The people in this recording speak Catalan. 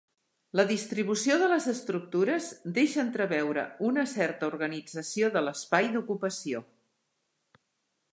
La distribució de les estructures deixa entreveure una certa organització de l’espai d’ocupació.